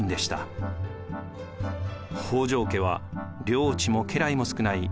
北条家は領地も家来も少ない弱小武士団。